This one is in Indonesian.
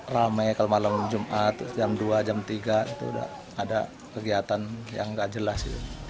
lama ya kalau malam jumat jam dua jam tiga itu ada kegiatan yang gak jelas